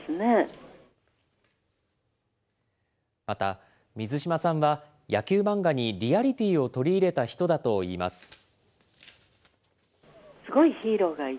また、水島さんは野球漫画にリアリティーを取り入れた人だといいます。